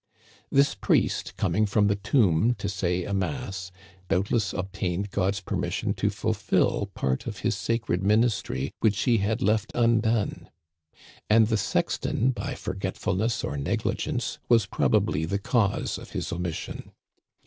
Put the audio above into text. This priest, coming from the tomb to say a mass, doubtless obtained God*s permission to fulfill part of his sacred ministry which he had left undone ; and the sexton, by forgetfulness or negligence, was proba bly the cause of his omission.